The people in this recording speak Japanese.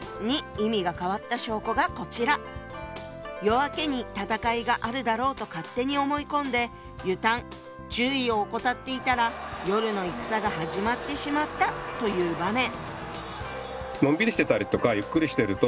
夜明けに戦いがあるだろうと勝手に思い込んで「ゆたむ」注意を怠っていたら夜の戦が始まってしまったという場面。